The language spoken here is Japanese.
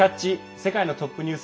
世界のトップニュース」。